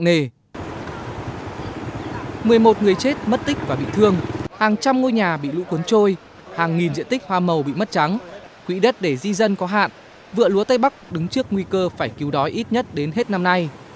một mươi một người chết mất tích và bị thương hàng trăm ngôi nhà bị lũ cuốn trôi hàng nghìn diện tích hoa màu bị mất trắng quỹ đất để di dân có hạn vựa lúa tây bắc đứng trước nguy cơ phải cứu đói ít nhất đến hết năm nay